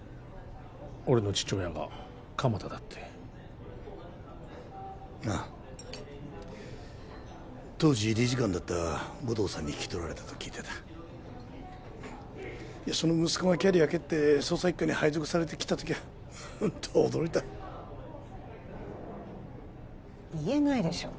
俺の父親が鎌田だってああ当時理事官だった護道さんに引き取られたと聞いてたその息子がキャリア蹴って捜査一課に配属されてきた時はホント驚いた言えないでしょう